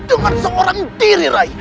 dengan seorang diri rai